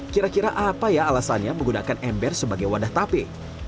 kira kira apa ya alasannya menggunakan ember sebagai wadah tape